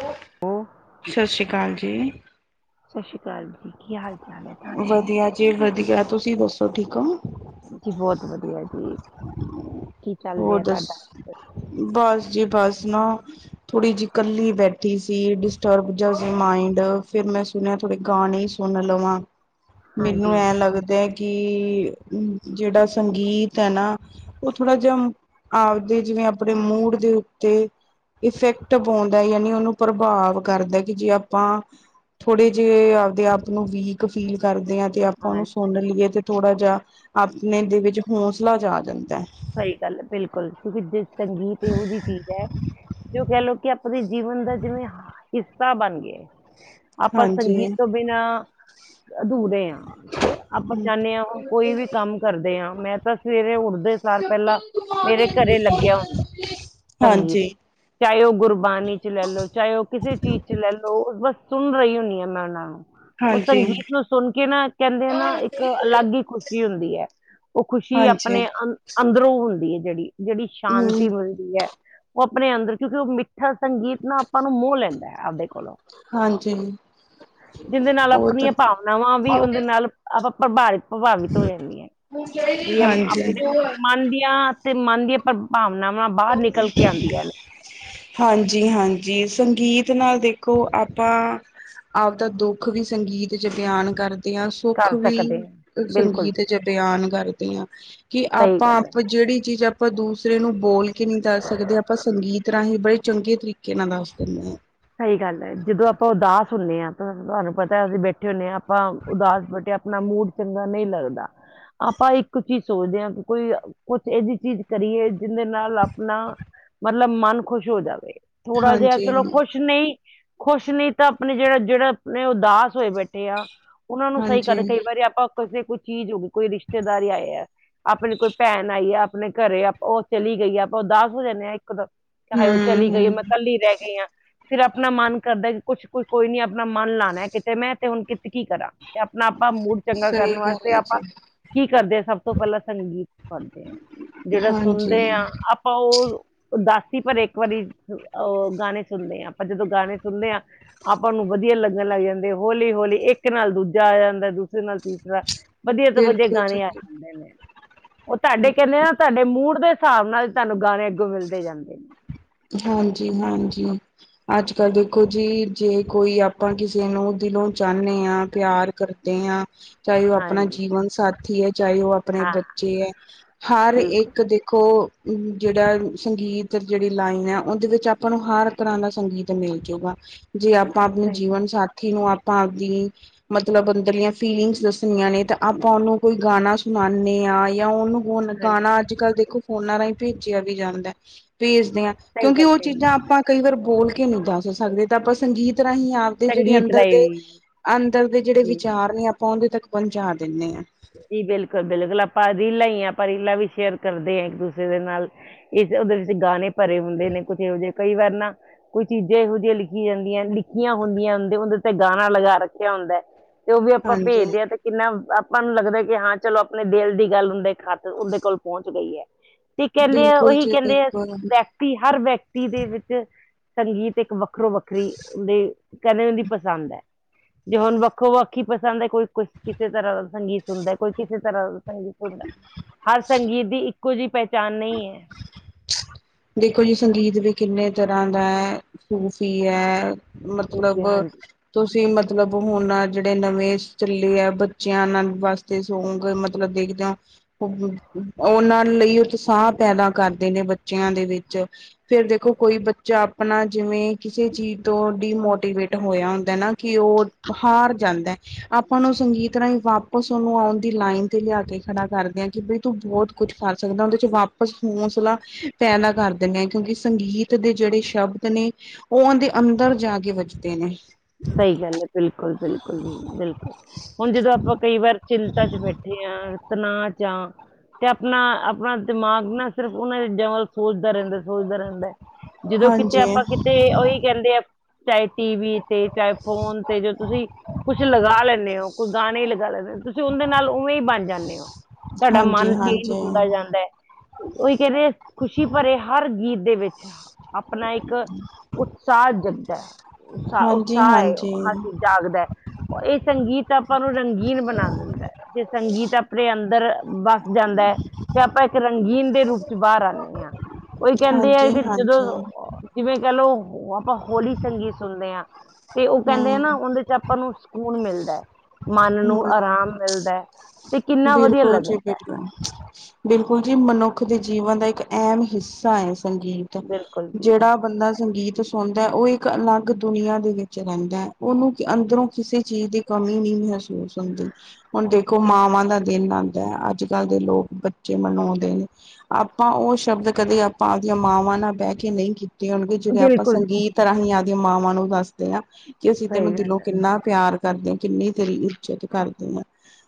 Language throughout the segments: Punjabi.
ਅ [unintelligible] ਹੋ। ਸਤਿ ਸ਼੍ਰੀ ਅਕਾਲ ਜੀ। ਸਤਿ ਸ਼੍ਰੀ ਅਕਾਲ ਜੀ, ਕੀ ਹਾਲ-ਚਾਲ ਹੈ ਤੁਹਾਡੇ? ਵਧੀਆ ਜੀ ਵਧੀਆ, ਤੁਸੀਂ ਦੱਸੋ ਠੀਕ ਹੋ? ਜੀ, ਬਹੁਤ ਵਧੀਆ ਜੀ। ਕੀ ਚੱਲ ਹੋਰ ਰਿਹਾ ਦੱਸ ਤੁਹਾਡਾ ਬਸ ਜੀ- ਬਸ ਨਾ ਥੋੜੀ ਜਿਹੀ ਕੱਲੀ ਬੈਠੀ ਸੀ, ਡਿਸਟਰਬ ਸੀ ਮਾਇੰਡ ਫਿਰ ਮੈਂ ਸੁਣਿਆ ਥੋੜੇ ਗਾਣੇ ਸੁਣ ਲਵਾਂ। ਮੈਨੂੰ ਹਾਂਜੀ ਐਂ ਲੱਗਦਾ ਹੈ। ਕਿ ਜਿਹੜਾ ਸੰਗੀਤ ਹੈ ਨਾ ਉਹ ਥੋੜਾ ਆਪਦੇ ਜਿਵੇਂ ਆਪਣੇ ਮੂਡ ਦੇ ਉੱਤੇ ਇਫੈਕਟ ਪਾਉਂਦਾ ਯਾਨੀ ਉਹਨੂੰ ਪ੍ਰਭਾਵ ਕਰਦਾ ਕਿ ਜੇ ਆਪਾਂ ਥੋੜ੍ਹੇ ਜਿਹੇ ਆਪਦੇ-ਆਪ ਨੂੰ ਵੀਕ ਫੀਲ ਕਰਦੇ ਹਾਂ। ਤੇ ਆਪਾਂ ਉਹਨੂੰ ਸੁਨ ਲਈਏ ਤੇ ਥੋੜਾ ਜਿਹਾ ਆਪਣੇ ਦੇ ਵਿੱਚ ਹੌਸਲਾ ਜਾ ਆ ਜਾਂਦਾ ਜਾ। ਸਹੀ ਗੱਲ ਹੈ ਬਿਲਕੁਲ, ਕਿਉਂਕਿ ਜ ਸੰਗੀਤ ਇਹੋ ਜਿਹੀ ਚੀਜ਼ ਹੈ ਜੋ ਕਹਿ ਲਓ ਕਿ ਆਪਦੇ ਜੀਵਨ ਦਾ ਜਿਵੇਂ ਹਿੱਸਾ ਬਣ ਗਿਆ ਆਪਾਂ ਹਾਂਜੀ ਸੰਗੀਤ ਤੋਂ ਬਿਨਾਂ ਅਧੂਰੇ ਆ। ਤੇ ਆਪਾਂ ਹੂੰ। ਚਾਹੁੰਦੇ ਹਾਂ ਕੋਈ ਵੀ ਕੰਮ ਕਰਦੇ ਹਾਂ, ਮੈਂ ਤਾਂ ਸਵੇਰੇ ਉੱਠਦੇ ਸਾਰ ਲਾ, ਮੇਰੇ ਘਰੇ ਲੱਗਿਆ ਸੰਗੀਤ ਹਾਂਜੀ ਹਾਂਜੀ। ਚਾਹੇ ਉਹ ਗੁਰਬਾਣੀ ਚ ਲੈ ਲਓ, ਚਾਹੇ ਉਹ ਕਿਸੇ ਚੀਜ਼ ਚ ਲੈ ਲਓ ਉਹ ਬਸ ਸੁਣ ਰਹੀ ਹੁੰਦੀ ਹਾਂ ਮੈਂ ਉਹਨਾਂ ਨੂੰ। ਉਹ ਹਾਂਜੀ ਸੰਗੀਤ ਨੂੰ ਸੁਣ ਕੇ ਨਾ ਕਹਿੰਦੇ ਨਾ ਇੱਕ ਅਲੱਗ ਹੀ ਖ਼ੁਸ਼ੀ ਹੁੰਦੀ ਹੈ। ਉਹ ਖੁਸ਼ੀ ਆਪਣੇ ਅ ਅੰਦਰੋਂ ਹੁੰਦੀ ਹੈ ਜਿਹੜੀ-ਜਿਹੜੀ ਹੂੰ ਸ਼ਾਂਤੀ ਮਿਲਦੀ ਹੈ, ਉਹ ਆਪਣੇ ਅੰਦਰ ਕਿਉਂਕਿ ਉਹ ਮਿੱਠਾ ਸੰਗੀਤ ਨਾ ਆਪਾਂ ਨੂੰ ਮੋਹ ਲੈਂਦਾ ਹੈ ਆਪਦੇ ਕੋਲੋਂ। ਹਾਂਜੀ ਜਿੰਹਦੇ ਨਾਲ ਉਹ ਤਾਂ ਆਪਣੀਆਂ ਭਾਵਨਾਵਾਂ ਵੀ ਉਹਦੇ ਨਾਲ ਆਪਾਂ ਪ੍ਰਭਾਵ-ਪ੍ਰਭਾਵਿਤ ਹੋ ਜਾਂਦੀ ਹੈ ਜਿੜ ਹਾਂਜੀ। ਆਪਣੇ ਮਨ ਦੀਆਂ ਤੇ ਮਨ ਦੀਆਂ ਪਰ ਭਾਵਨਾਵਾਂ ਬਾਹਰ ਨਿਕਲ ਕੇ ਆਉਂਦੀਆਂ ਨੇ। ਹਾਂਜੀ-ਹਾਂਜੀ, ਸੰਗੀਤ ਨਾਲ ਦੇਖੋ ਆਪਾਂ ਆਪਦਾ ਦੁੱਖ ਵੀ ਸੰਗੀਤ ਚ ਬਿਆਨ ਕਰਦਾ ਦੀਆਂ ਸੁੱਖ ਕਰ ਵੀ ਸਕਦੇ ਹਾਂ ਬਿਲਕੁਲ ਸੰਗੀਤ ਜੀ ਚ ਬਿਆਨ ਕਰਦਿਆ। ਕਿ ਸਹੀ ਗੱਲ ਹੈ ਆਪਾਂ-ਆਪ ਜਿਹੜੀ ਚੀਜ਼ ਆਪਾਂ ਦੂਸਰੇ ਨੂੰ ਬੋਲ ਕੇ ਨਹੀਂ ਦੱਸ ਸਕਦੇ ਆਪਾਂ ਸੰਗੀਤ ਰਾਹੀਂ ਬੜੇ ਚੰਗੇ ਤਰੀਕੇ ਨਾਲ ਦੱਸ ਦਿੰਦੇ ਹਾਂ। ਸਹੀ ਗੱਲ ਹੈ, ਜਦੋਂ ਆਪਾਂ ਉਦਾਸ ਹੁੰਦੇ ਹਾਂ ਤਾਂ ਤੁਹਾਨੂੰ ਪਤਾ ਅਸੀਂ ਬੈਠੇ ਹੁੰਦੇ ਹਾਂ ਆਪਾਂ ਉਦਾਸ ਬਟੇ ਆਪਣਾ ਮੂਡ ਚੰਗਾ ਨਹੀਂ ਲੱਗਦਾ ਆਪਾਂ ਇੱਕ ਚੀਜ਼ ਸੋਚਦੇ ਹਾਂ ਕਿ ਕੋਈ ਕੁਛ ਇਹ ਜਹੀ ਚੀਜ਼ ਕਰੀਏ ਜਿਹਦੇ ਨਾਲ ਆਪਣਾ ਮਤਲਬ ਮਨ ਖੁਸ਼ ਹੋ ਜਾਵੇ। ਥੋੜਾ ਜਿਹਾ ਹਾਂਜੀ ਚਲੋ ਖੁਸ਼ ਨਹੀਂ ਖੁਸ਼ ਨਹੀਂ ਤਾਂ ਆਪਣੇ ਜਿਹੜਾ-ਜਿਹੜਾ ਆਪਣੇ ਉਦਾਸ ਹੋਏ ਬੈਠੇ ਆ। ਉਹਨਾਂ ਨੂੰ ਸਹੀ ਹਾਂਜੀ ਕਰਦੇ ਕਈ ਵਾਰੀ ਆਪਾਂ ਕਿਸੇ ਕੋਈ ਚੀਜ਼ ਹੋ। ਕੋਈ ਰਿਸ਼ਤੇਦਾਰੀ ਆਏ ਆ ਆਪਣੀ ਕੋਈ ਭੈਣ ਆਈ ਹੈ। ਆਪਣੇ ਘਰੇ ਆਪਾਂ ਉਹ ਚਲੀ ਗਈ ਆ ਆਪਾਂ ਉਦਾਸ ਹੋ ਜਾਂਦੇ ਹਾਂ ਇੱਕ ਦਮ ਕਿ ਹਾਏ ਉਹ ਚਲੀ ਗਈ ਹੂੰ-ਹੂੰ ਮੈਂ ਇਕੱਲੀ ਰਹਿ ਗਈ ਹਾਂ ਫਿਰ ਆਪਣਾ ਮਨ ਕਰਦਾ ਕਿ ਕੁਛ ਕੋਈ ਨੀ ਆਪਣਾ ਮਨ ਲਾਉਣਾ ਕਿਤੇ ਮੈਂ ਤੇ ਹੁਣ ਕਿ ਕੀ ਕਰਾਂ। ਤੇ ਆਪਣਾ-ਆਪਾਂ ਮੂਡ ਚੰਗਾ ਸਹੀ ਕਰਨ ਵਾਸਤੇ ਗੱਲ ਹੈ ਆਪਾਂ ਜੀ ਕੀ ਕਰਦੇ ਸਭ ਤੋਂ ਪਹਿਲਾਂ ਸੰਗੀਤ ਕਰਦੇ ਆਂ। ਜਿਹੜਾ ਹਾਂਜੀ ਸੁਣਦੇ ਆਂ ਆਪ ਪਾ ਉਹ, ਉਦਾਸੀ ਭਰੇ ਇੱਕ ਵਾਰੀ ਅ, ਗਾਣੇ ਸੁਣਦੇ ਆਂ ਆਪਾਂ ਜਦੋਂ ਗਾਣੇ ਸੁਣਦੇ ਆ ਆਪਾਂ ਨੂੰ ਵਧੀਆ ਲੱਗਣ ਲੱਗ ਜਾਂਦੇ ਹੌਲੀ-ਹੌਲੀ ਇੱਕ ਨਾਲ ਦੂਜਾ ਆ ਜਾਂਦਾ ਦੂਸਰੇ ਨਾਲ ਤੀਸਰਾ। ਵਧੀਆ ਤੋਂ ਵਧੀਆ ਬਿਲਕੁਲ ਗਾਣੇ ਜੀ ਆਦੇ ਨੇ। ਉਹ ਤਾਡੇ ਕਹਿੰਦੇ ਆ ਤਾਡੇ ਮੂਡ ਦੇ ਸਾਬ ਨਾਲ ਤੁਹਾਨੂੰ ਗਾਣੇ ਅੱਗੋਂ ਮਿਲਦੇ ਜਾਂਦੇ। ਹਾਂਜੀ-ਹਾਂਜੀ। ਅੱਜ ਕੱਲ੍ਹ ਦੇਖੋ ਜੀ ਜੇ ਕੋਈ ਆਪਾਂ ਕਿਸੇ ਨੂੰ ਦਿਲੋਂ ਚਾਹਨੇ ਆਂ ਪਿਆਰ ਕਰ ਦੇ ਆਂ ਚਾਹੇ ਉਹ ਆਪਣਾ ਹਾਂਜੀ ਜੀਵਨ ਸਾਥੀ ਏ ਚਾਹੇ ਉਹ ਪਣੇ ਹਾਂ ਬੱਚੇ ਹਰ ਬਿਲਕੁਲ ਇੱਕ ਦੇਖੋ ਜਿਹੜਾ ਸੰਗੀਤ ਜੇ ਲਾਈਨ ਐ ਉਹਦੇ ਵਿੱਚ ਆਪਾਂ ਨੂੰ ਹਰ ਤਰ੍ਹਾਂ ਦਾ ਸੰਗੀਤ ਮਿਲ ਜੂਗਾ ਜੇ ਆਪਾਂ ਆਪਨੇ ਸਹੀ ਜੀਵਨ ਸਾਥ ਸਾਥੀ ਨੂੰ ਆਪਾਂ ਆਪਣੀ ਮਤਲਬ ਅੰਦਰ ਦੀਆਂ ਫੀਲਿੰਗਸ ਦੱਸਣੀਆਂ ਨੇ ਤਾਂ ਆਪਾਂ ਉਹਨੂੰ ਕੋਈ ਗਾਣਾ ਸੁਣਾਦੇ ਹਾਂ ਜਾਂ ਉਹਨੂੰ ਹੁਣ ਹਾਂਜੀ ਗਾਣਾ ਅੱਜ ਕੱਲ੍ਹ ਦੇਖੋ ਫੋਨਾਂ ਰਾਹੀਂ ਭੇਜਿਆ ਵੀ ਜਾਂਦਾ ਭੇਜਦੇ ਹਾਂ। ਕਿਉਂਕਿ ਉਹ ਚੀਜ਼ਾਂ ਆਪਾਂ ਕਈ ਵਾਰ ਬੋਲ ਕੇ ਨਹੀਂ ਦੱਸ ਸਕਦੇ ਤਾਂ ਆਪਾਂ ਸੰਗੀਤ ਰਾਹੀਂ ਆਪ ਦੇ ਜਿਹੜੀ ਅੰਦਰ ਦੇ ਅੰਦਰ ਦੇ ਜਿਹੜੇ ਵਿਚਾਰ ਨੇ ਆਪਾਂ ਉਹਦੇ ਤੱਕ ਪਹੁੰਚਾ ਦਿੰਦੇ ਹਾਂ। ਜੀ ਬਿਲਕੁਲ ਬਿਲਕੁਲ ਆਪਾਂ ਰੀਲਾਂ ਹੀ ਹ ਆਪਾਂ ਰੀਲਾ ਵੀ ਸ਼ੇਅਰ ਕਰਦੇ ਹ ਇੱਕ ਦੂਸਰੇ ਦੇ ਨਾਲ। ਇਸ ਉਦੇਰ ਵਿੱਚ ਗਾਣੇ ਭਰੇ ਹੁੰਦੇ ਨੇ ਕੁੱਝ ਇਹੋ ਜਿਹੇ ਕਈ ਵਾਰ ਨਾ ਕੋਈ ਚੀਜ਼ਾਂ ਇਹੋ ਜਿਹੀਆਂ ਲਿਖੀਆਂ ਜਾਂਦੀਆਂ ਲਿਖੀਆਂ ਹੁੰਦੀਆਂ ਹਦੇ ਉਹਦੇ ਤੇ ਗਾਣਾ ਲਗਾ ਰੱਖਿਆ ਹੁੰਦਾ। ਤੇ ਉਹ ਵੀ ਆਪਾਂ ਹਾਂਜੀ ਭੇਜਦੇ ਆ ਤੇ ਕਿੰਨਾ ਆਪਾਂ ਨੂੰ ਲੱਗਦਾ ਕਿ ਹਾਂ ਚਲੋ ਆਪਣੇ ਦਿਲ ਦੀ ਗੱਲ ਉਹਦੇ ਖਾਤ ਉਹਦੇ ਕੋਲ ਪਹੁੰਚ ਗਈ ਹੈ। ਤੇ ਕਹਿੰਦੇ ਆ ਬਿਲਕੁਲ ਉਹੀ ਜੀ ਕਹਿੰਦੇ ਆ। ਬਿਲਕੁਲ ਤੀ ਹਰ ਵਿਅਕਤੀ ਦੇ ਵਿੱਚ ਸੰਗੀਤ ਇੱਕ ਵੱਖਰੋ ਵੱਖਰੀ ਦੇ ਕਦੇ ਉਹਦੀ ਪਸੰਦ ਹੈ ਜੇ ਹੁਣ ਵੱਖੋ ਵੱਖ ਹੀ ਪਸੰਦ ਹੈ ਕੋਈ ਕੁ ਕਿਸੇ ਤਰ੍ਹਾਂ ਦਾ ਗੀਤ ਸੁਣਦਾ ਏ ਕੋਈ ਕਿਸੇ ਤਰ੍ਹਾਂ ਦਾ ਸੰਗੀਤ ਸੁ ਹਰ ਸੰਗੀਤ ਦੀ ਇੱਕੋ ਜਿਹੀ ਪਹਿਚਾਣ ਨਈ ਏ। ਦੇਖੋ ਜੀ ਸੰਗੀਤ ਵੀ ਕਿੰਨੇ ਤਰ੍ਹਾਂ ਦਾ ਐ, ਸੂਫ਼ੀ ਐ। ਤੁਸੀਂ ਮਤਲਬ ਹਾਂਜੀ ਤੁਸੀਂ ਮਤਲਬ ਹੁਣ ਜਿਹੜੇ ਨਵੇਂ ਚੱਲੇ ਆ ਬੱਚਿਆਂ ਨਾਲ ਵਾਸ ਤੇ ਸੌਂਗ ਮਤਲਬ ਦੇਖਦਿਆ ਉਹਨਾਂ ਲਈ ਉਤਸਾਹ ਪੈਦਾ ਕਰਦੇ ਨੇ ਬੱਚਿਆਂ ਦੇ ਵਿੱਚ। ਫਿਰ ਦੇਖੋ ਕੋਈ ਬੱਚਾ ਆਪਣਾ ਜਿਵੇਂ ਕਿਸੇ ਚੀਜ਼ ਤੋਂ ਡੀਮੋਟੀਵੇਟ ਹੋਇਆ ਹੁੰਦੈ ਨਾ ਕਿ ਉਹ ਹਾਰ ਜਾਂਦੈ, ਆਪਾਂ ਨੂੰ ਸੰਗੀਤ ਰਾਹੀਂ ਵਾਪਸ ਉਹਨੂੰ ਆਉਣ ਦੀ ਲਾਈਨ ਤੇ ਲਿਆ ਕੇ ਖੜਾ ਕਰਦੇ ਆਂ ਕਿ ਬ ਤੂੰ ਬਹੁਤ ਕੁਛ ਕਰ ਸਕਦਾ ਉਹਦੇ ਚ ਵਾਪਸ ਹੌਸਲਾ ਪੈਦਾ ਕਰ ਦਿੰਨੇ ਐਂ ਕਿਉਂਕਿ ਸੰਗੀਤ ਦੇ ਜਿਹੜੇ ਸ਼ਬਦ ਨੇ ਉਹ ਉਹਨਦੇ ਅੰਦਰ ਜਾ ਕੇ ਵੱਜਦੇ ਨੇ। ਸਹੀ ਗੱਲ ਐ ਬਿਲਕੁਲ-ਬਿਲਕੁਲ, ਬਿਲਕੁਲ। ਹੁਣ ਜਦੋਂ ਆਪਾਂ ਕਈ ਵਾਰ ਚਿੰਤਾ ਚ ਬੈਠੇ ਆਂ ਤਨਾਅ ਚਾ ਤੇ ਆਪਣਾ-ਆਪਣਾ ਦਿਮਾਗ ਨਾ ਸਿਰਫ ਉਹਨਾਂ ਚੀਜ਼ਾਂ ਵੱਲ ਸੋਚਦਾ ਰਹਿੰਦੈ-ਸੋਚਦਾ ਰਹਿੰਦੈ। ਜਦੋਂ ਕਿਤੇ ਹਾਂਜੀ ਆਪਾਂ ਕਿਤੇ ਉਹੀ ਕਹਿੰਦੇ ਐ, ਚਾਹੇ ਟੀ ਵੀ ਤੇ ਚਾਹੇ ਫੋਨ ਤੇ ਜੋ ਤੁਸੀਂ, ਕੁਛ ਲਗਾ ਲੈਨੇ ਓ ਕੋ ਗਾਨੇ ਈ ਲਗਾ ਲੈਨੇ ਓ ਤੁਸੀਂ ਉਹਨਦੇ ਨਾਲ ਉਵੇਂ ਈ ਬਣ ਜਾਂਨੇ ਓ, ਤੁਹਾਡਾ ਮਨ ਹਾਂਜੀ ਹਾਂਜੀ ਚੇਂਜ ਹੁੰਦਾ ਹਾਂਜੀ ਜਾਂਦੈ। ਉਹੀ ਕਹਿੰਦੇ, ਖੁਸ਼ੀ ਭਰੇ ਹਰ ਗੀਤ ਦੇ ਵਿੱਚ ਆਪਣਾ ਇੱਕ, ਉਤਸਾਹ ਜਗਦਾ ਐ। ਹਾਂਜੀ ਉਤਸ਼ਾਹ ਐ ਹਾਂਜੀ ਜਾਗਦਾ ਐ ਇਹ ਸੰਗੀਤ ਆਪਾਂ ਨੂੰ ਰੰਗੀਨ ਬਣਾ ਦਿੰਦੈ। ਜੇ ਸੰਗੀਤ ਆਪਣੇ ਅੰਦਰ ਵਸ ਜਾਂਦੈ। ਤੇ ਆਪਾਂ ਇੱਕ ਰੰਗੀਨ ਦੇ ਰੂਪ ਚ ਬਾਹਰ ਆਨੇ ਆ। ਉਹੀ ਕਹਿੰਦੇ ਐ ਹਾਂਜੀ ਕਿ ਜਦੋਂ ਹਾਂਜੀ ਜਿਵੇਂ ਕਹਿ ਲਓ, ਆਪਾਂ ਹੋਲੀ ਸੰਗੀਤ ਸੁਣਦੇ ਆਂ। ਤੇ ਉਹ ਕਹਿੰਦੇ ਐ ਹਮ ਨਾ, ਉਹਦੇ ਚ ਆਪਾਂ ਨੂੰ ਸਕੂਨ ਮਿਲਦੈ, ਮਨ ਨੂੰ ਹਮ ਆਰਾਮ ਮਿਲਦੈ। ਬਿਲਕੁਲ ਜੀ, ਬਿਲ ਬਿਲਕੁਲ ਜੀ, ਮਨੁੱਖ ਦੇ ਜੀਵਨ ਦਾ ਇੱਕ ਅਹਿਮ ਹਿੱਸਾ ਐ ਸੰਗੀਤ। ਬਿਲਕੁਲ ਜੀ ਜਿਹੜਾ ਬੰਦਾ ਸੰਗੀਤ ਚ ਹੁੰਦਾ, ਉਹ ਇੱਕ ਅਲੱਗ ਦੁਨੀਆਂ ਦੇ ਵਿੱਚ ਰਹਿੰਦਾ ਹੈ ਉਹਨੂੰ ਅੰਦਰੋਂ ਕਿਸੇ ਚੀਜ਼ ਦੇ ਕਮੀ ਨਹੀਂ ਮਹਿਸੂਸ ਹੁੰਦੀ। ਹੁਣ ਦੇਖੋ ਮਾਵਾਂ ਦੀ ਦਾ ਦਿਨ ਆਉਂਦਾ ਹੈ ਅੱਜ ਕੱਲ੍ਹ ਦੇ ਲੋਕ ਬੱਚੇ ਮਨਾਉਂਦੇ ਨੇ ਆਪਾਂ ਉਹ ਸ਼ਬਦ ਕਦੇ ਆਪਾਂ ਉਹਦੀਆਂ ਮਾਵਾਂ ਨਾਲ ਬਹਿ ਕੇ ਨਹੀਂ ਕੀਤਾ ਣਗੇ, ਜਿਵੇਂ ਆਪਾਂ ਬਿਲਕੁਲ ਜੀ, ਸੰਗੀਤ ਰਾਹੀਂ ਆਪਦੀਆਂ ਮਾਵਾਂ ਨੂੰ ਦੱਸਦੇ ਹਾਂ। ਕਿ ਅਸੀਂ ਸਹੀ ਤੈਨੂੰ ਦਿਲੋਂ ਗੱਲ ਹੈ ਕਿੰਨਾ ਪਿਆਰ ਕਰਦੇ ਹਾਂ, ਕਿੰਨੀ ਤੇਰੀ ਇੱਜਤ ਕਰਦੇ ਹਾਂ,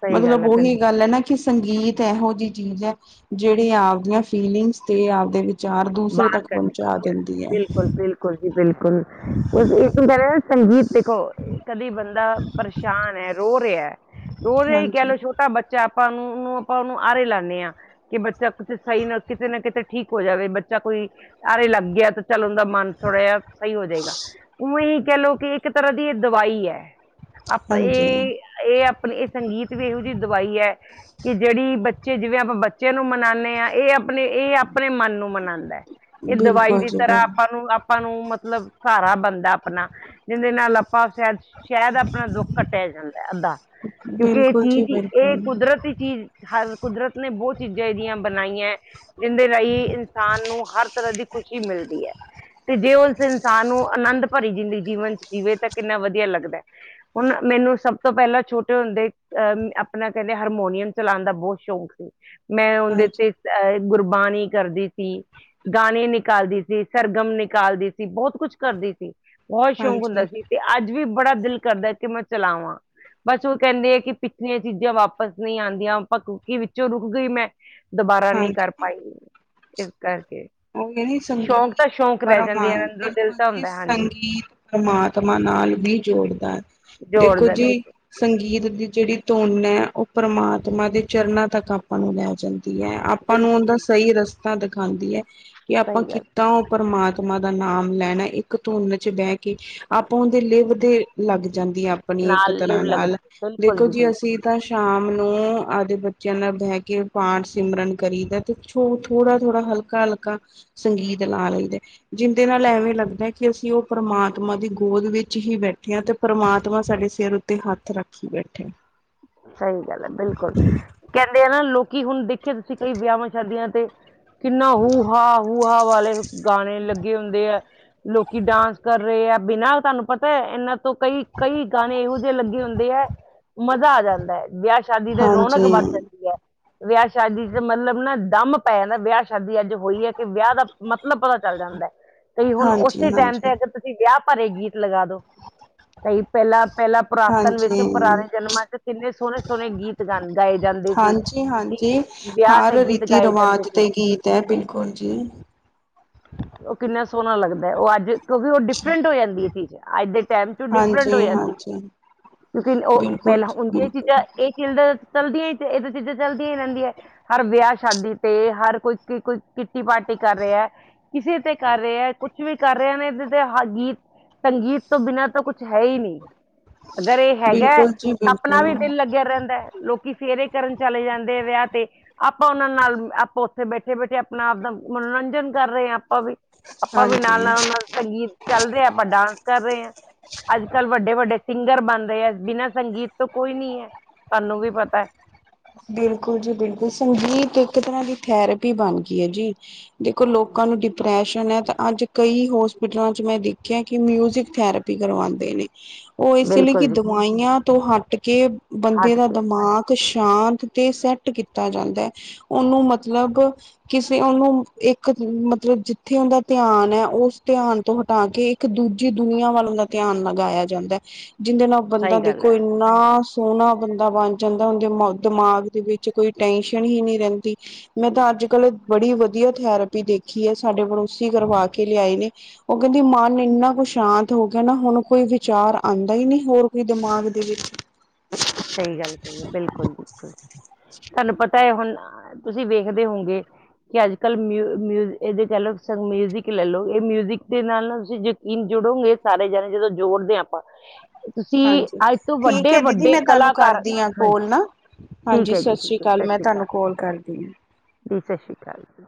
ਸਹੀ ਗੱਲ ਮਤਲਬ ਹੈ ਬਿਲਕੁਲ ਉਹੀ ਗੱਲ ਹੈ ਨਾ ਕਿ ਸੰਗੀਤ ਇਹੋ ਜਿਹੀ ਚੀਜ਼ ਹੈ ਜਿਹੜੀ ਆਪਦੀਆਂ ਫੀਲਿੰਗਸ ਤੇ ਆਪਦੇ ਚਾਰ, ਦੂਸਰੇ ਤੱਕ ਪਹੁੰਚਾ ਦਿੰਦੀ ਹੈ। ਬਿਲਕੁਲ ਜੀ, ਬਿਲਕੁਲ ਇੱਕ ਕਹਿ ਰਹੇ ਆ ਸੰਗੀਤ ਦੇਖੋ, ਕਦੀ ਬੰਦਾ ਪਰੇਸ਼ਾਨ ਐ, ਰੋ ਰਿਐ, ਰੋ ਰਿਐ ਹੀ ਕਹਿ ਹਾਂਜੀ ਲਓ ਛੋਟਾ ਬੱਚਾ, ਆਪਾਂ ਨੂੰ ਉਹਨੂੰ ਆਪਾਂ ਉਹਨੂੰ ਆਰੇ ਲਾਨੇ ਆ। ਕਿ ਬੱਚਾ, ਕੁਛ ਸਹੀ ਨਾ ਕਿਤੇ ਨਾ ਕਿਤੇ ਠੀਕ ਹੋ ਜਾਵੇ ਬ ਜਾਂ ਕੋਈ, ਆਰੇ ਲੱਗ ਗਿਆ ਤਾਂ ਚੱਲ ਉਹਦਾ ਮਨ ਥੋੜਾ ਜਾ ਸਹੀ ਹੋ ਜੇਗਾ, ਉਵੇਂਹੀ ਕਹਿ ਲਓ ਕਿ ਇੱਕ ਤਰ੍ਹਾਂ ਦੀ ਇਹ, ਦਵਾਈ ਐ। ਆਪਾਂ ਹਾਂਜੀ ਏ ਇਹ ਆਪਣੇ ਇਹ ਸੰਗੀਤ ਵੀ ਇਹੋ ਜੀ ਦਵਾਈ ਐ ਕਿ ਜਿਹੜੀ ਬੱਚੇ, ਜਿਵੇਂ ਆਪਾਂ ਬੱਚਿਆਂ ਨੂੰ ਮਨਾਨੇ ਆਂ ਇਹ ਆਪਣੇ ਇਹ ਆਪਣੇ ਮਨ ਨੂੰ ਮਨਾਦੈ। ਏ ਦਵਾਈ ਬਿਲਕੁਲ ਦੀ ਜੀ ਤਰ੍ਹਾਂ, ਬਿਲਕੁਲ ਆਪਾਂ ਨੂੰ ਆਪਾਂ ਨੂੰ ਮਤਲਬ ਸਹਾਰਾ ਬਣਦਾ ਅਪਨਾ, ਜਿਹਦੇ ਨਾਲ ਆਪਾਂ ਸ਼ਾਇਦ ਸ਼ੈਦ, ਆਪਣਾ ਦੁੱਖ ਕੱਟਿਆ ਜਾਂਦੈ ਅੱਧਾ ਕਿਉਂਕਿ ਇਹ ਬਿਲਕੁਲ ਜੀ ਚੀਜ਼ ਈ ਇਹ ਬਿਲਕੁਲ ਕੁਦਰਤੀ ਚੀਜ਼ ਹਰ ਕੁਦਰਤ ਨੇ ਬਹੁਤ ਚੀਜ਼ਾਂ ਇਹਜੀਆ ਬਣਾਈਐ, ਜੀਂਦੇ ਰਾਈ ਇਨਸਾਨ ਨੂੰ ਹਰ ਤਰ੍ਹਾਂ ਦੀ ਖੁਸ਼ੀ ਮਿਲਦੀ ਐ। ਤੇ ਜੇ ਉਸ ਇਨਸਾਨ ਨੂੰ ਆਨੰਦ ਭਰੀ ਜਿੰਦੀ ਜੀਵਨ ਚ ਜੀਵੇ ਤਾਂ ਕਿੰਨਾ ਵਧੀਆ ਲੱਗਦਾ ਏ। ਹੁਣ ਮੈਨੂੰ, ਸਭ ਤੋਂ ਪਹਿਲਾਂ ਛੋਟੇ ਹੁੰਦੇ ਅਹ ਆਪਣਾ ਕਹਿੰਦੇ ਹਾਰਮੋਨੀਅਮ ਚਲਾਉਣ ਦਾ ਬਹੁਤ ਸ਼ੌਕ ਮੈਂ ਉਹਦੇ ਹਾਂਜੀ ਤੇ ਅਹ ਗੁਰਬਾਣੀ ਕਰਦੀ ਸੀ ਗਾਣੇ ਨਿਕਾਲਦੀ ਸੀ, ਸਰਗਮ ਨਿਕਾਲਦੀ ਸੀ, ਬਹੁਤ ਕੁਝ ਕਰਦੀ ਸੀ। ਬਹੁਤ ਸ਼ੌਕ ਹੁੰਦਾ ਹਾਂਜੀ ਸੀ ਤੇ ਅੱਜ ਵੀ ਬੜਾ ਦਿਲ ਕਰਦਾ ਕਿ ਮੈਂ ਚਲਾਵਾਂ। ਬਸ ਉਹ ਕਹਿੰਦੇ ਆ ਕਿ ਪਿਛਲੀਆਂ ਚੀਜ਼ਾਂ ਵਾਪਸ ਨਹੀਂ ਆਉਂਦੀਆਂ, ਆਪਾ ਕੁਕੀ ਵਿੱਚੋਂ ਰੁਕ ਗਈ ਮੈਂ ਦੁਬਾਰਾ ਨਹੀਂ ਕਰ ਹਾਂਜੀ ਪਾਈ, ਇਸ ਕਰਕੇ। ਉਹ ਕਹਿੰਦੀ ਸ਼ੌਂਕ ਸੰਗੀਤ ਤਾਂ ਸ਼ੌਂਕ ਰਹਿ ਪਰਮ ਆ ਜਾਂਦੇ ਅੰਦਰੋਂ ਦਿਲ ਬਿਲਕੁਲ ਤਾਂ ਜੀ, ਹੁੰਦਾ ਹੈ, ਹਾਂਜੀ ਸੰਗੀਤ ਪਰਮਾਤਮਾ ਨਾਲ ਵੀ ਜੋੜਦਾ ਹੈ, ਦੇਖੋ ਜੋੜਦਾ ਬਿਲ- ਜੀ ਸੰਗੀਤ ਦੀ ਜਿਹੜੀ ਧੁਨ ਹੈ, ਉਹ ਪਰਮਾਤਮਾ ਦੇ ਚਰਨਾਂ ਤੱਕ ਆਪਾਂ ਨੂੰ ਲੈ ਜਾਂਦੀ ਹੈ। ਆਪਾਂ ਨੂੰ ਬਿਲਕੁਲ ਉਂਦਾ ਜੀ ਸਹੀ ਰਸਤਾ ਦਿਖਾਉਂਦੀ ਹੈ। ਕੀ ਆਪਾਂ ਸਹੀ ਗੱਲ ਕਿੱਦਾਂ ਉਹ ਪਰਮਾਤਮਾ ਦਾ ਨਾਮ ਲੈਣਾ ਇੱਕ ਧੁੰਨ ਚ ਬਹਿ ਕੇ। ਆਪੋ ਉਹਦੇ ਲਿਵ ਦੇ ਲੱਗ ਜਾਂਦੀ ਹੈ, ਆਪਣੀ ਇੱਕ ਨਾਲ ਲਿਵ ਤਰ੍ਹਾਂ ਲੱਗਦਾ ਨਾਲ ਬਿਲਕੁਲ ਦੇਖੋ ਜੀ ਬਿਲਕੁਲ ਅਸੀਂ ਤਾਂ ਸ਼ਾਮ ਨੂੰ ਆਦੇ ਬੱਚਿਆਂ ਨਾਲ ਬਹਿ ਕੇ ਪਾਠ ਸਿਮਰਨ ਕਰੀਦਾ ਪਿੱਛੋਂ, ਥੋੜਾ ਥੋੜਾ, ਹਲਕਾ ਹਲਕਾ, ਸੰਗੀਤ ਲਾ ਲਈਦਾ। ਜਿੰਦੇ ਨਾਲ ਐਵੇਂ ਲੱਗਦਾ ਕਿ ਅਸੀਂ ਉਹ ਪਰਮਾਤਮਾ ਦੀ ਗੋਦ ਵਿੱਚ ਹੀ ਬੈਠੇ ਹਾਂ, ਤੇ ਪਰਮਾਤਮਾ ਸਾਡੇ ਸਿਰ ਉ ਤੇ ਹੱਥ ਰੱਖੀ ਬੈਠਾ। ਸਹੀ ਗੱਲ ਹੈ, ਬਿਲਕੁਲ ਕਹਿੰਦੇ ਆ ਨਾ ਲੋਕੀ ਹੁਣ ਦੇਖਿਆ ਤੁਸੀਂ, ਕਈ ਵਿਆਹਾਂ ਸ਼ਾਦੀਆਂ ਤੇ ਕਿੰਨਾ ਹੂ ਹਾ ਹੂ ਹਾ ਵਾਲੇ ਗਾਣੇ ਲੱਗੇ ਹੁੰਦੇ ਹੈ ਲੋਕੀ, ਡਾਂਸ ਕਰ ਰਹੇ ਆ ਬਿਨਾਂ ਤੁਹਾਨੂੰ ਪਤਾ ਹੈ ਇਹਨਾਂ ਤੋਂ ਕਈ, ਕਈ ਗਾਣੇ ਇਹੋ ਜਿਹੇ ਲੱਗੇ ਹੁੰਦੇ ਹੈ ਜਾਂਦਾ ਹੈ, ਵਿਆਹ ਸ਼ਾਦੀ ਤੇ ਰੌਣਕ ਹਾਂਜੀ, ਵੱਧ ਜਾਂਦੀ ਹੈ। ਵਿਆਹ ਸ਼ਾਦੀ ਚ ਮਤਲਬ ਨਾ ਦਮ ਪੈ ਜਾਂਦਾ, ਵਿਆਹ ਸ਼ਾਦੀ ਅੱਜ ਹੋਈ ਐ, ਕਿ ਵਿਆਹ ਦਾ ਮਤਲਬ ਪਤਾ ਚੱਲ ਜਾਂਦਾ ਐ, ਕਿ ਹੁਣ ਹਾਂਜੀ, ਉਸੇ ਟੈਮ ਹਾਂਜੀ, ਤੇ ਅਗਰ ਤੁਸੀਂ ਵਿਆਹ ਭਰੇ ਗੀਤ ਲਗਾ ਦੋ। ਕਈ ਪਹਿਲਾਂ-ਪਹਿਲਾਂ ਪੁਰਾਤਨ ਵਿੱਚ, ਪੁਰਾਣੇ ਹਾਂਜੀ। ਜਨਮਾਂ ਚ ਕਿੰਨੇ ਸੋਹਣੇ- ਸੋਹਣੇ ਗੀਤ ਗਾਏ ਜਾਂਦੇ ਸੀ, ਹਾਂਜੀ, ਹਾਂਜੀ ਵਿਆਹ ਹਰ ਤੇ ਗੀਤ ਰੀਤੀ ਗਾਏ ਜਾਂਦੇ ਰਿਵਾਜ ਸੀ। ਗੀਤ ਤੇ ਬਿਲਕੁਲ ਜੀ। ਉਹ ਕਿੰਨਾ ਸੋਹਣਾ ਲੱਗਦਾ ਐ, ਉਹ ਅੱਜ ਕਿਉਂਕਿ ਉਹ ਡਿਫਰੈਂਟ ਹੋ ਜਾਂਦੀ ਏ ਚੀਜ਼, ਅੱਜ ਦੇ ਟੈਮ ਚ ਡਿਫਰੈਂਟ ਹੋ ਹਾਂਜੀ, ਜਾਂਦੀ। ਹਾਂਜੀ ਲੇਕਿਨ ਉਹ ਬਿਲਕੁਲ ਪਹਿਲਾਂ ਜੀ ਉਨ ਬਿਲਕੁਲ। ਚੀਜ਼ਾਂ ਇਹ ਚੀ ਚਲਦੀਆਂ ਹੀ, ਇਹ ਦੋ ਚੀਜ਼ਾਂ ਚਲਦੀਆਂ ਹੀ ਰਹਿੰਦੀਆਂ ਐ। ਹਰ ਵਿਆਹ ਸ਼ਾਦੀ ਤੇ, ਹਰ ਕੋਈ-ਕੋਈ ਕਿੱਟੀ ਪਾਰਟੀ ਕਰ ਰਿਹਾ, ਕਿਸੇ ਤੇ ਕਰ ਰਿਹਾ ਹੈ ਕੁਛ। ਕੁਛ ਵੀ ਕਰ ਰਹੇ ਨੇ, ਤੇ ਗੀਤ ਸੰਗੀਤ ਤੋਂ ਬਿਨਾਂ ਤਾਂ ਕੁਛ ਹੈ ਹੀ ਨਹੀਂ। ਅਗਰ ਇਹ ਹੈਗਾ ਬਿਲਕੁਲ ਜੀ ਆਪਣਾ ਤਾਂ ਬਿਲਕੁਲ ਵੀ ਦਿਲ ਲੱਗਿਆ ਰਹਿੰਦਾ, ਲੋਕੀ ਫੇਰੇ ਕਰਨ ਚਲੇ ਜਾਂਦੇ ਐ ਵਿਆਹ ਤੇ। ਆਪਾਂ ਉਹਨਾਂ ਨਾਲ ਆਪਾਂ ਉੱਥੇ ਬੈਠੇ- ਬੈਠੇ ਆਪਣਾ ਆਪ ਦਾ, ਮਨੋਰੰਜਨ ਕਰ ਰਹੇ ਹਾਂ ਆਪਾਂ ਵੀ। ਆਪਾਂ ਵੀ ਨਾਲ- ਹਾਂਜੀ। ਨਾਲ ਉਹਨਾਂ ਦਾ ਸੰਗੀਤ ਚੱਲ ਰਿਹਾ, ਆਪਾਂ ਡਾਂਸ ਕਰ ਰਹੇ ਹਾਂ। ਅੱਜ-ਕੱਲ੍ਹ ਵੱਡੇ-ਵੱਡੇ ਸਿੰਗਰ ਬਣ ਰਹੇ ਆ, ਬਿਨਾਂ ਸੰਗੀਤ ਕੋਈ ਨਹੀ ਐ, ਤੁਹਾਨੂੰ ਵੀ ਪਤਾ। ਬਿਲਕੁਲ ਜੀ ਬਿਲਕੁਲ, ਸੰਗੀਤ ਇੱਕ ਤਰ੍ਹਾਂ ਦੀ ਥੈਰੇਪੀ ਬਣ ਗਈ ਐ ਜੀ। ਦੇਖੋ ਲੋਕਾਂ ਨੂੰ ਡਿਪਰੈਸ਼ਨ ਐ, ਤਾਂ ਅੱਜ ਕਈ ਹੋਸਪਿਟਲਾਂ ਚ ਮੈਂ ਦੇਖਿਆ, ਕਿ ਮਿਊਜ਼ਿਕ ਥੈਰੇ ਪੀ ਕਰਵਾਂਦੇ ਨੇ। ਉਹ ਇਸ ਲਈ ਕਿ ਬਿਲਕੁਲ ਜੀ ਦਵਾਈਆਂ ਤੋਂ ਹੱਟ ਕੇ, ਬੰਦੇ ਹਟ ਦਾ ਕੇ ਦਮਾਕ ਸ਼ਾਂਤ ਤੇ ਸੈਟ ਕੀਤਾ ਜਾਂਦਾ ਐ, ਉਹਨੂੰ ਮਤਲਬ ਕਿਸੇ ਉਹਨੂੰ ਇੱਕ ਮਤਲਬ ਜਿੱਥੇ ਉਹਦਾ ਧਿਆਨ ਐ, ਉਸ ਧਿਆਨ ਤੋਂ ਹਟਾ ਕੇ ਇੱਕ ਦੂਜੀ ਦੁਨੀਆਂ ਵੱਲ ਉਹਦਾ ਧਿਆਨ ਲਗਾਇਆ ਜਾਂਦਾ ਐ। ਜਿਹਦੇ ਨਾਲ ਬੰਦਾ ਸਹੀ ਗੱਲ ਦੇਖੋ, ਹੈ ਇੰਨਾ ਸੋਹਣਾ ਬੰਦਾ ਬਣ ਜਾਂਦਾ, ਉਹਦੇ ਦਮਾਗ ਦੇ ਵਿੱਚ ਕੋਈ ਟੈਂਨਸ਼ਨ ਹੀ ਨਹੀਂ ਰਹਿੰਦੀ। ਮੈਂ ਤਾਂ ਅੱਜ- ਕੱਲ ਬੜੀ ਵਧੀਆ ਥੈਰੇਪੀ ਦੇਖੀ ਐ, ਸਾਡੇ ਪੜੋਸੀ ਕਰਵਾ ਕੇ ਲਿਆਏ ਨੇ। ਉਹ ਕਹਿੰਦੀ ਮਨ ਇੰਨਾ ਕੁ ਸ਼ਾਂਤ ਹੋ ਗਿਆ ਨਾ, ਹੁਣ ਕੋਈ ਵਿਚਾਰ ਆਂਦਾ ਹੀ ਨਹੀਂ, ਹੋਰ ਕੋਈ ਦਿਮਾਗ ਦੇ ਵਿੱਚ। ਸਹੀ ਗੱਲ ਕਹੀ ਐ, ਬਿਲਕੁਲ -ਬਿਲਕੁਲ ਤੁਹਾਨੂੰ ਪਤਾ ਹੈ, ਹੁਣ ਤੁਸੀਂ ਵੇਖਦੇ ਹੋਂਗੇ। ਕਿ ਅੱਜ- ਕੱਲ ਮਿਊ- ਮਿਊ ਇਹਦੇ ਕਹਿ ਲਓ ਮਿਊਜਿਕ ਲੈ ਲਓ, ਇਹ ਮਿਊਜਿਕ ਦੇ ਨਾਲ ਨਾ ਤੁਸੀਂ ਜੁੜੋਗੇ ਸਾਰੇ ਜਾਣੇ, ਜਦੋਂ ਜੋੜਦੇ ਹਾਂ ਆਪਾਂ, ਤੁਸੀਂ ਹਾਂਜੀ ਅੱਜ ਤੋਂ ਠੀਕ ਵੱਡੇ ਹੈ ਦੀਦੀ -ਵੱਡੇ ਮੈਂ ਤੁਹਾਨੂੰ ਕਲਾਕਾਰ, ਕਰਦੀ ਹਾਂ ਹਾਂਜੀ ਕੋਲ ਨਾ ਠੀਕ ਹਾਂਜੀ ਐ ਜੀ, ਸਤਿ ਸ੍ਰੀ ਠੀਕ ਐ ਜੀ, ਅਕਾਲ ਮੈਂ ਸਸ ਰੀ ਤੁਹਾਨੂੰ ਕੋਲ ਕਾਲ। ਕਰਦੀ ਹਾਂ ਦੀ ਸਸ਼ ਰੀ ਕਾਲ ਜੀ।